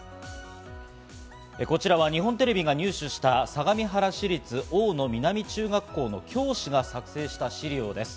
こちらは日本テレビが入手した相模原市立大野南中学校の教師が作成した資料です。